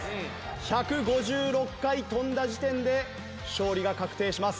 １５６回跳んだ時点で勝利が確定します。